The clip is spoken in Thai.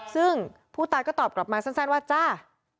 ซึ่งผู้ตายก็ตอบกลับมาสั้นว่าจ้า